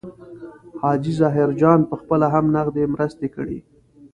حاجي ظاهرجان پخپله هم نغدي مرستې کړي.